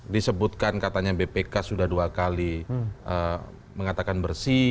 disebutkan katanya bpk sudah dua kali mengatakan bersih